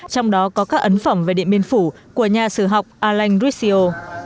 trong đó có các ấn phẩm về điện biên phủ của nhà sử học alain grissio